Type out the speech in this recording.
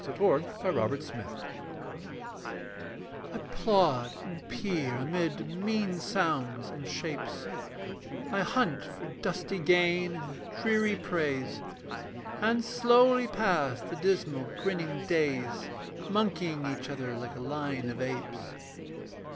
THE TRIUMPH OF MAN I plod and peer amid mean sounds and shapes, I hunt for dusty gain and dreary praise, And slowly pass the dismal grinning days, Monkeying each other like a line of apes.